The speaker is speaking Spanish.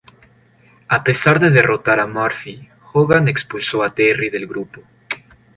A pesar de derrotar a Murphy, Hogan expulsó a Terry del grupo.